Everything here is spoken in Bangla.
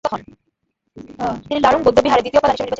তিনি রালুং বৌদ্ধবিহারের দ্বিতীয় প্রধান হিসাবে নির্বাচিত হন।